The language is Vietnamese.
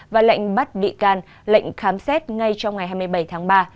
và lệnh bắt bị can lệnh khám xét ngay trong ngày hai mươi bảy tháng ba